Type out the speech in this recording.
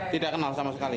tidak kenal sama sekali